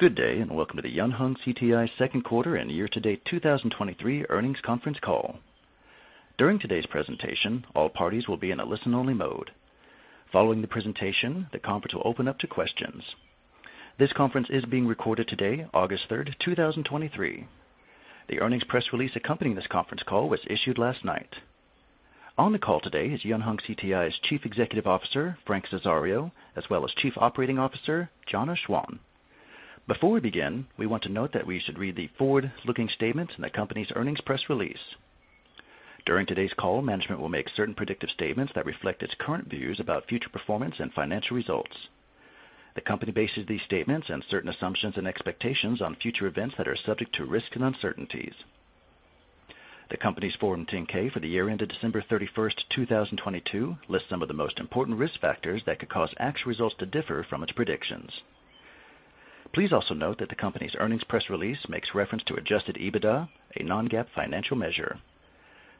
Good day. Welcome to the Yunhong CTI 2nd quarter and year-to-date 2023 earnings conference call. During today's presentation, all parties will be in a listen-only mode. Following the presentation, the conference will open up to questions. This conference is being recorded today, August 3rd, 2023. The earnings press release accompanying this conference call was issued last night. On the call today is Yunhong CTI's Chief Executive Officer, Frank Cesario, as well as Chief Operating Officer, Jana Schwan. Before we begin, we want to note that we should read the forward-looking statements in the company's earnings press release. During today's call, management will make certain predictive statements that reflect its current views about future performance and financial results. The company bases these statements on certain assumptions and expectations on future events that are subject to risks and uncertainties. The company's Form 10-K for the year ended December 31st, 2022, lists some of the most important risk factors that could cause actual results to differ from its predictions. Please also note that the company's earnings press release makes reference to Adjusted EBITDA, a non-GAAP financial measure.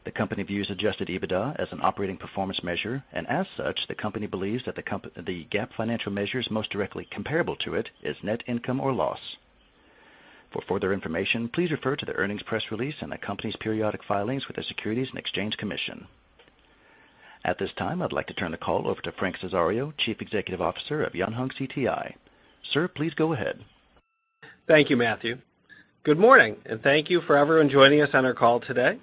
The company views Adjusted EBITDA as an operating performance measure, and as such, the company believes that the GAAP financial measure is most directly comparable to it is net income or loss. For further information, please refer to the earnings press release and the company's periodic filings with the Securities and Exchange Commission. At this time, I'd like to turn the call over to Frank Cesario, Chief Executive Officer of Yunhong CTI. Sir, please go ahead. Thank you, Matthew. Good morning, thank you for everyone joining us on our call today.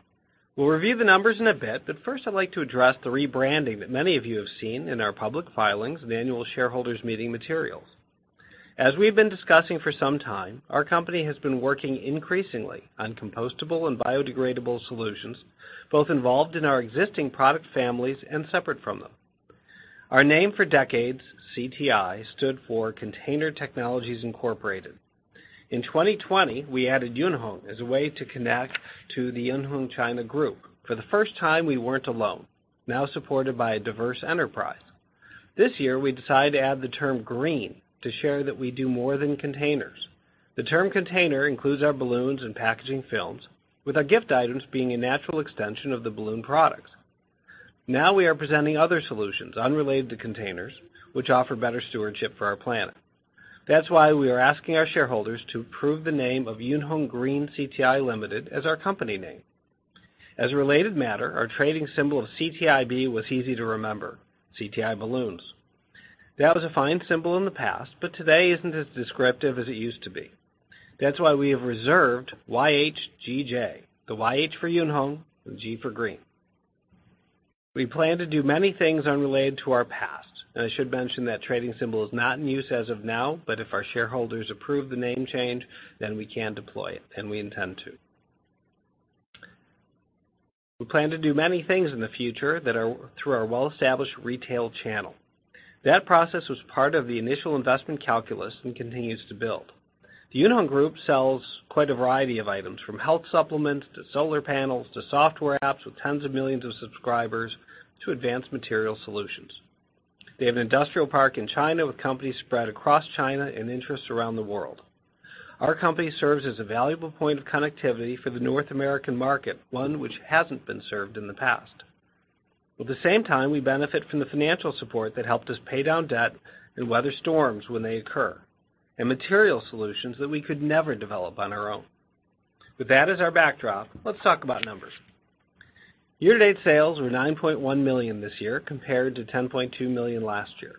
We'll review the numbers in a bit, but first, I'd like to address the rebranding that many of you have seen in our public filings and annual shareholders meeting materials. As we've been discussing for some time, our company has been working increasingly on compostable and biodegradable solutions, both involved in our existing product families and separate from them. Our name for decades, CTI, stood for Container Technologies Incorporated. In 2020, we added Yunhong as a way to connect to the Yunhong China Group. For the first time, we weren't alone, now supported by a diverse enterprise. This year, we decided to add the term "green" to share that we do more than containers. The term container includes our balloons and packaging films, with our gift items being a natural extension of the balloon products. Now we are presenting other solutions unrelated to containers, which offer better stewardship for our planet. That's why we are asking our shareholders to approve the name of Yunhong Green CTI Ltd. as our company name. As a related matter, our trading symbol of CTIB was easy to remember, CTI Balloons. That was a fine symbol in the past, but today isn't as descriptive as it used to be. That's why we have reserved YHGJ, the YH for Yunhong and G for Green. We plan to do many things unrelated to our past, and I should mention that trading symbol is not in use as of now, but if our shareholders approve the name change, then we can deploy it, and we intend to. We plan to do many things in the future that are through our well-established retail channel. That process was part of the initial investment calculus and continues to build. The Yunhong Group sells quite a variety of items, from health supplements to solar panels to software apps, with tens of millions of subscribers to advanced material solutions. They have an industrial park in China, with companies spread across China and interests around the world. Our company serves as a valuable point of connectivity for the North American market, one which hasn't been served in the past. At the same time, we benefit from the financial support that helped us pay down debt and weather storms when they occur, and material solutions that we could never develop on our own. With that as our backdrop, let's talk about numbers. Year-to-date sales were $9.1 million this year, compared to $10.2 million last year.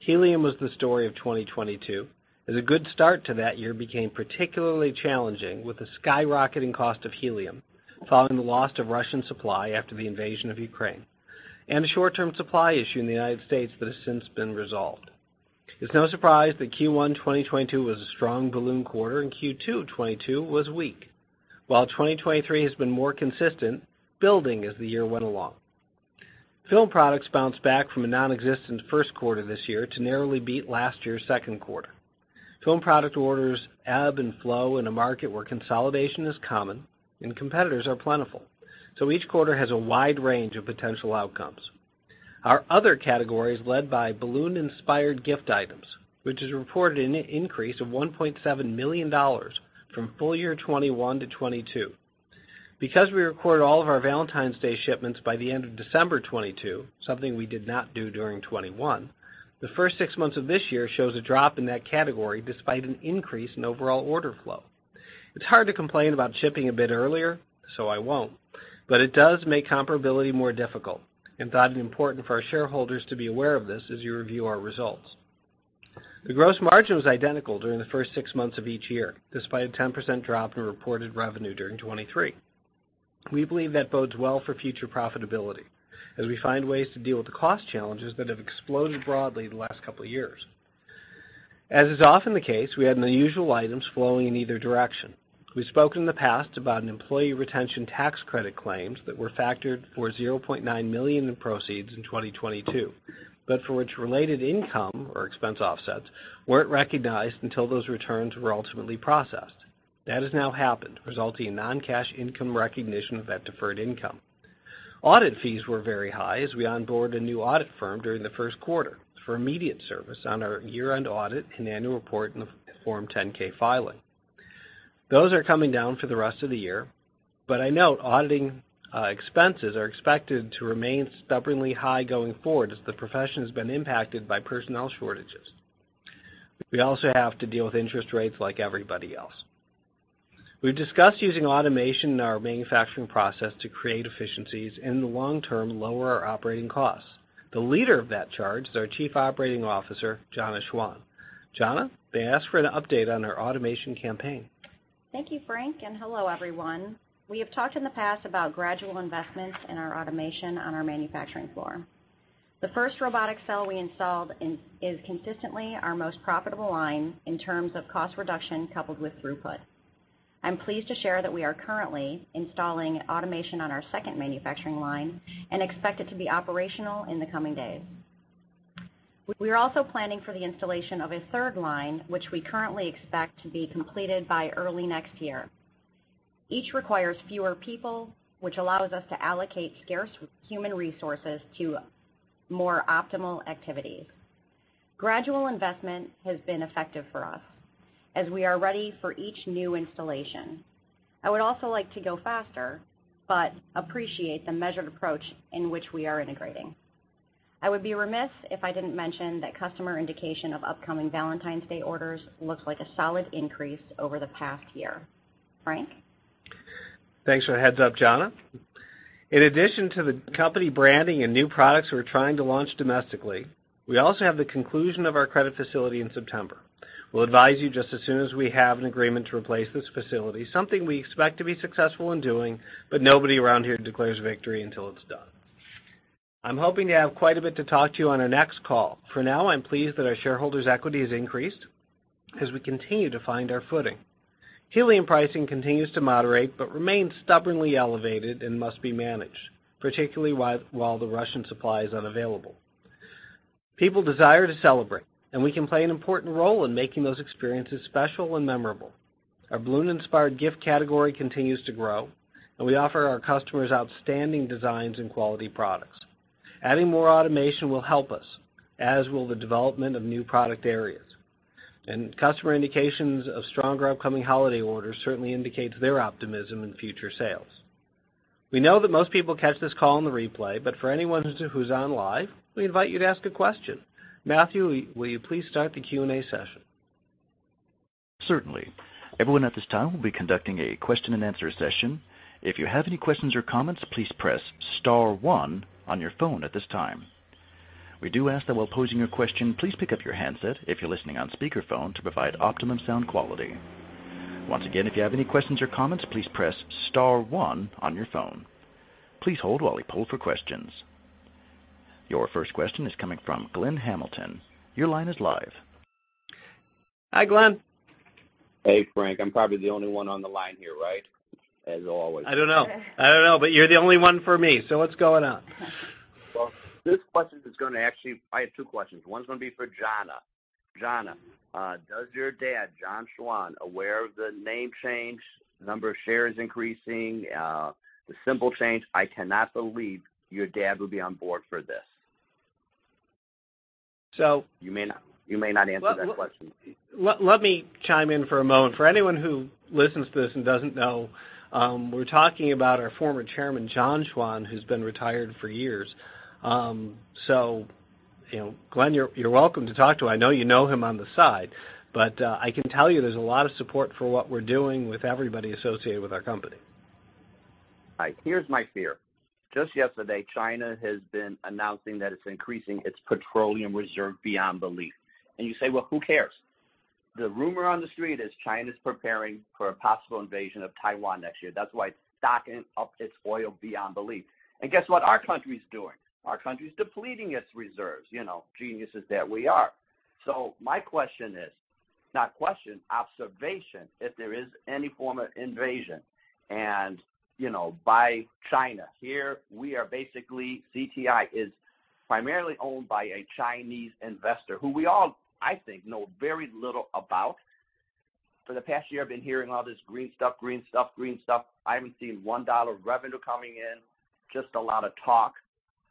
Helium was the story of 2022, as a good start to that year became particularly challenging, with the skyrocketing cost of helium following the loss of Russian supply after the invasion of Ukraine and a short-term supply issue in the United States that has since been resolved. It's no surprise that Q1 2022 was a strong balloon quarter and Q2 2022 was weak. While 2023 has been more consistent, building as the year went along. Film products bounced back from a nonexistent first quarter this year to narrowly beat last year's second quarter. Film product orders ebb and flow in a market where consolidation is common and competitors are plentiful, so each quarter has a wide range of potential outcomes. Our other category is led by balloon-inspired gift items, which is reported an increase of $1.7 million from full year 2021 to 2022. Because we recorded all of our Valentine's Day shipments by the end of December 2022, something we did not do during 2021, the first six months of this year shows a drop in that category, despite an increase in overall order flow. It's hard to complain about shipping a bit earlier, so I won't, but it does make comparability more difficult. Thought it important for our shareholders to be aware of this as you review our results. The gross margin was identical during the first six months of each year, despite a 10% drop in reported revenue during 2023. We believe that bodes well for future profitability as we find ways to deal with the cost challenges that have exploded broadly in the last couple of years. As is often the case, we had unusual items flowing in either direction. We've spoken in the past about an Employee Retention Tax Credit claims that were factored for $0.9 million in proceeds in 2022, but for which related income or expense offsets weren't recognized until those returns were ultimately processed. That has now happened, resulting in non-cash income recognition of that deferred income. Audit fees were very high as we onboarded a new audit firm during the first quarter for immediate service on our year-end audit and annual report in the Form 10-K filing. Those are coming down for the rest of the year. I note auditing expenses are expected to remain stubbornly high going forward, as the profession has been impacted by personnel shortages. We also have to deal with interest rates like everybody else. We've discussed using automation in our manufacturing process to create efficiencies, and in the long term, lower our operating costs. The leader of that charge is our Chief Operating Officer, Jana Schwan. Jana, may I ask for an update on our automation campaign? Thank you, Frank, and hello, everyone. We have talked in the past about gradual investments in our automation on our manufacturing floor. The first robotic cell we installed is consistently our most profitable line in terms of cost reduction coupled with throughput. I'm pleased to share that we are currently installing automation on our second manufacturing line and expect it to be operational in the coming days. We are also planning for the installation of a third line, which we currently expect to be completed by early next year. Each requires fewer people, which allows us to allocate scarce human resources to more optimal activities. Gradual investment has been effective for us as we are ready for each new installation. I would also like to go faster, but appreciate the measured approach in which we are integrating. I would be remiss if I didn't mention that customer indication of upcoming Valentine's Day orders looks like a solid increase over the past year. Frank? Thanks for the heads up, Jana. In addition to the company branding and new products we're trying to launch domestically, we also have the conclusion of our credit facility in September. We'll advise you just as soon as we have an agreement to replace this facility, something we expect to be successful in doing, but nobody around here declares victory until it's done. I'm hoping to have quite a bit to talk to you on our next call. For now, I'm pleased that our shareholders' equity has increased as we continue to find our footing. Helium pricing continues to moderate, but remains stubbornly elevated and must be managed, particularly while the Russian supply is unavailable. People desire to celebrate, and we can play an important role in making those experiences special and memorable. Our balloon-inspired gift category continues to grow, and we offer our customers outstanding designs and quality products. Adding more automation will help us, as will the development of new product areas, and customer indications of stronger upcoming holiday orders certainly indicates their optimism in future sales. We know that most people catch this call on the replay, but for anyone who's on live, we invite you to ask a question. Matthew, will you please start the Q&A session? Certainly. Everyone, at this time, we'll be conducting a question-and-answer session. If you have any questions or comments, please press star one on your phone at this time. We do ask that while posing your question, please pick up your handset if you're listening on speakerphone to provide optimum sound quality. Once again, if you have any questions or comments, please press star one on your phone. Please hold while we pull for questions. Your first question is coming from Glenn Hamilton. Your line is live. Hi, Glenn. Hey, Frank. I'm probably the only one on the line here, right? As always. I don't know. I don't know, but you're the only one for me, so what's going on? Well, actually, I have two questions. One's gonna be for Jana. Jana, does your dad, John Schwan, aware of the name change, number of shares increasing, the symbol change? I cannot believe your dad would be on board for this. So You may not, you may not answer that question. Let, let me chime in for a moment. For anyone who listens to this and doesn't know, we're talking about our former chairman, John Schwan, who's been retired for years. You know, Glenn, you're, you're welcome to talk to him. I know you know him on the side, but, I can tell you there's a lot of support for what we're doing with everybody associated with our company. All right. Here's my fear. Just yesterday, China has been announcing that it's increasing its petroleum reserve beyond belief. You say, "Well, who cares?" The rumor on the street is China's preparing for a possible invasion of Taiwan next year. That's why it's stocking up its oil beyond belief. Guess what our country's doing? Our country's depleting its reserves, you know, geniuses that we are. My question is, not question, observation, if there is any form of invasion and, you know, by China, here we are basically CTI is primarily owned by a Chinese investor who we all, I think, know very little about. For the past year, I've been hearing all this green stuff, green stuff, green stuff. I haven't seen $1 of revenue coming in, just a lot of talk.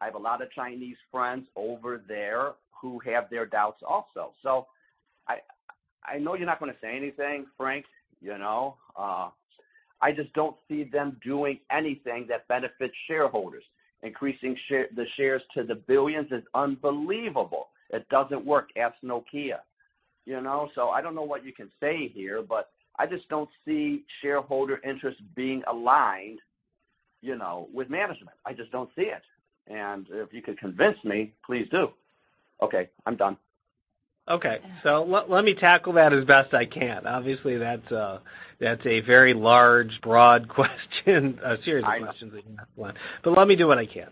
I have a lot of Chinese friends over there who have their doubts also. I know you're not gonna say anything, Frank, you know, I just don't see them doing anything that benefits shareholders. Increasing the shares to the billions is unbelievable. It doesn't work. Ask Nokia. You know? I don't know what you can say here, but I just don't see shareholder interest being aligned, you know, with management. I just don't see it. If you could convince me, please do. Okay, I'm done. Okay. Yeah. Let, let me tackle that as best I can. Obviously, that's, that's a very large, broad question, a series of questions. I know. Let me do what I can.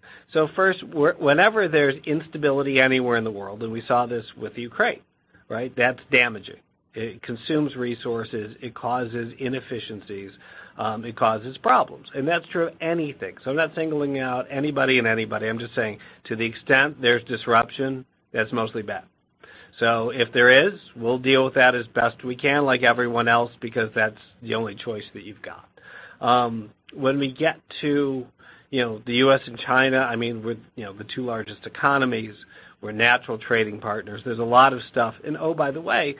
First, whenever there's instability anywhere in the world, and we saw this with Ukraine, right? That's damaging. It consumes resources, it causes inefficiencies, it causes problems. That's true of anything. I'm not singling out anybody and anybody. I'm just saying, to the extent there's disruption, that's mostly bad. If there is, we'll deal with that as best we can, like everyone else, because that's the only choice that you've got. When we get to, you know, the U.S. and China, I mean, with, you know, the two largest economies, we're natural trading partners. There's a lot of stuff. Oh, by the way,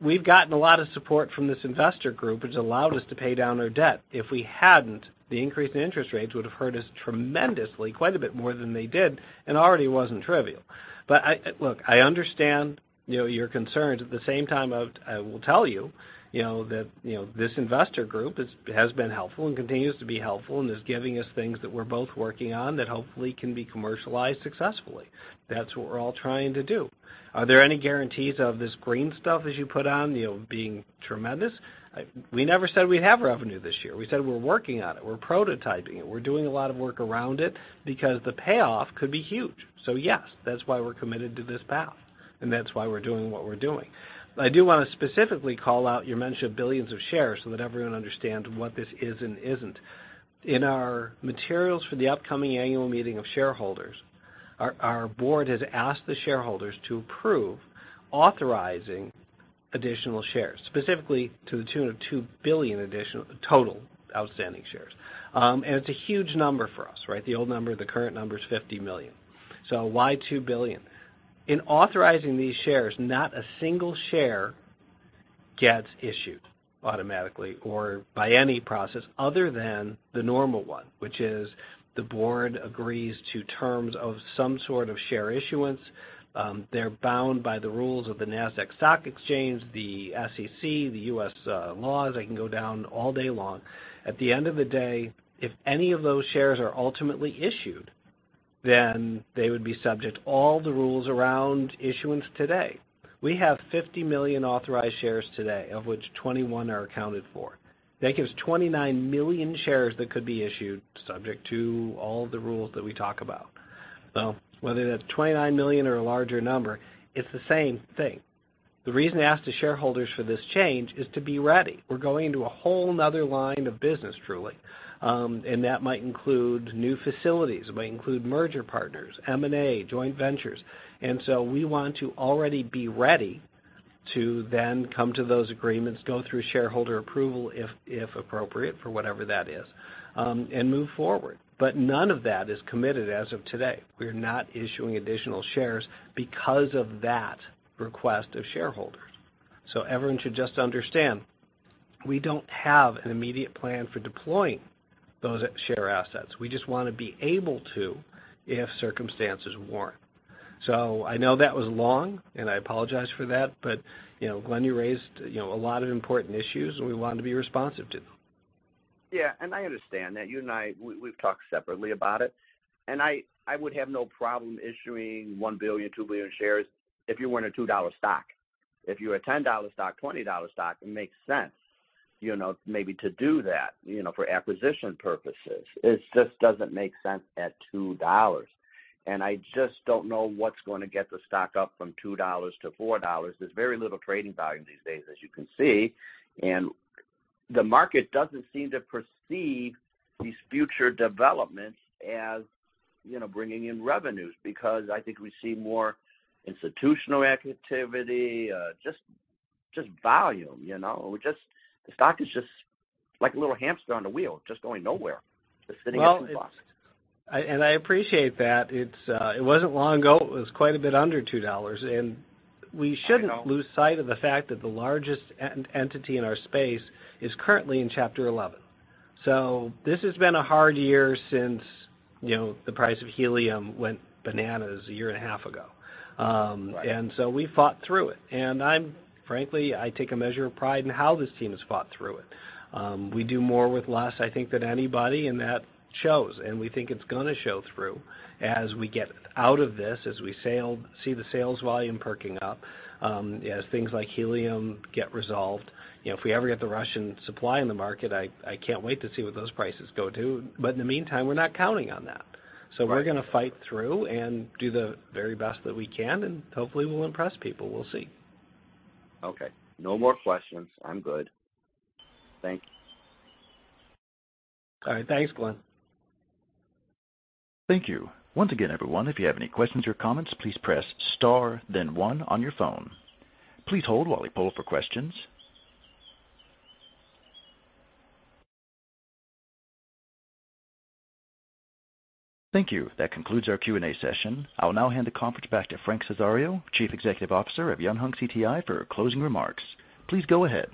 we've gotten a lot of support from this investor group, which allowed us to pay down our debt. If we hadn't, the increase in interest rates would have hurt us tremendously, quite a bit more than they did, and already wasn't trivial. I, look, I understand, you know, your concerns. At the same time, I, I will tell you, you know, that, you know, this investor group is, has been helpful and continues to be helpful and is giving us things that we're both working on that hopefully can be commercialized successfully. That's what we're all trying to do. Are there any guarantees of this green stuff, as you put on, you know, being tremendous? We never said we'd have revenue this year. We said we're working on it, we're prototyping it. We're doing a lot of work around it because the payoff could be huge. Yes, that's why we're committed to this path, and that's why we're doing what we're doing. I do want to specifically call out, you mentioned billions of shares so that everyone understands what this is and isn't. In our materials for the upcoming annual meeting of shareholders, our board has asked the shareholders to approve authorizing additional shares, specifically to the tune of two billion additional total outstanding shares. It's a huge number for us, right? The old number, the current number is 50 million. Why two billion? In authorizing these shares, not a single share gets issued automatically or by any process other than the normal one, which is the board agrees to terms of some sort of share issuance. They're bound by the rules of the Nasdaq Stock Exchange, the SEC, the U.S. laws. I can go down all day long. At the end of the day, if any of those shares are ultimately issued, then they would be subject to all the rules around issuance today. We have 50 million authorized shares today, of which 21 are accounted for. That gives 29 million shares that could be issued, subject to all the rules that we talk about. So whether that's 29 million or a larger number, it's the same thing. The reason to ask the shareholders for this change is to be ready. We're going into a whole another line of business, truly, and that might include new facilities, it might include merger partners, M&A, joint ventures. So we want to already be ready to then come to those agreements, go through shareholder approval if, if appropriate, for whatever that is, and move forward. None of that is committed as of today. We are not issuing additional shares because of that request of shareholders. Everyone should just understand, we don't have an immediate plan for deploying those share assets. We just want to be able to, if circumstances warrant. I know that was long, and I apologize for that, but, you know, Glenn, you raised, you know, a lot of important issues, and we wanted to be responsive to them. Yeah, and I understand that you and I, we've talked separately about it, and I, I would have no problem issuing $1 billion, $2 billion shares if you weren't a $2-dollar stock. If you're a $10-dollar stock, $20-dollar stock, it makes sense, you know, maybe to do that, you know, for acquisition purposes. It just doesn't make sense at $2. I just don't know what's going to get the stock up from $2 to $4. There's very little trading volume these days, as you can see, and the market doesn't seem to perceive these future developments as, you know, bringing in revenues, because I think we see more institutional activity, just, just volume, you know? Just, the stock is just like a little hamster on a wheel, just going nowhere, just sitting in a box. Well, I appreciate that. It's, it wasn't long ago, it was quite a bit under $2. We shouldn't. I know. Lose sight of the fact that the largest entity in our space is currently in Chapter 11. This has been a hard year since, you know, the price of helium went bananas a year and a half ago. Right. We fought through it, and I'm frankly, I take a measure of pride in how this team has fought through it. We do more with less, I think, than anybody, and that shows, and we think it's gonna show through as we get out of this, as we see the sales volume perking up, as things like helium get resolved. You know, if we ever get the Russian supply in the market, I, I can't wait to see what those prices go to. In the meantime, we're not counting on that. Right. We're gonna fight through and do the very best that we can, and hopefully, we'll impress people. We'll see. Okay, no more questions. I'm good. Thank you. All right. Thanks, Glenn. Thank you. Once again, everyone, if you have any questions or comments, please press star, then one on your phone. Please hold while we poll for questions. Thank you. That concludes our Q&A session. I'll now hand the conference back to Frank Cesario, Chief Executive Officer of Yunhong CTI, for closing remarks. Please go ahead.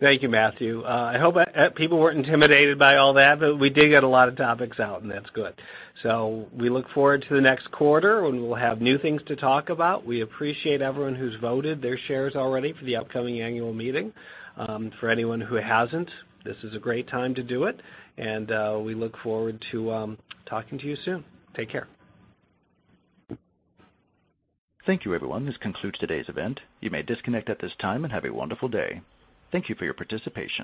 Thank you, Matthew. I hope people weren't intimidated by all that, but we did get a lot of topics out, and that's good. We look forward to the next quarter when we'll have new things to talk about. We appreciate everyone who's voted their shares already for the upcoming annual meeting. For anyone who hasn't, this is a great time to do it, and we look forward to talking to you soon. Take care. Thank you, everyone. This concludes today's event. You may disconnect at this time and have a wonderful day. Thank you for your participation.